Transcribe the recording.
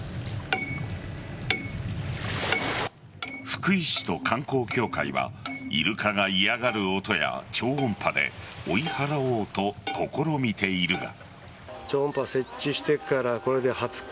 福井市と観光協会はイルカが嫌がる音や超音波で追い払おうと試みているが。